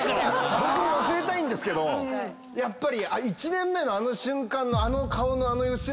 僕も忘れたいんですけどやっぱり１年目のあの瞬間の。